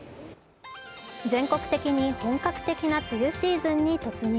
全国的に本格的な梅雨シーズンに突入。